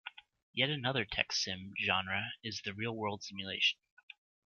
Yet another text sim genre is the real world simulation.